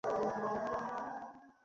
খবরের কাগজ, পুস্তকাদি পাঠাইও না।